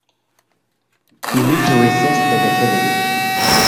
You need to resist negativity.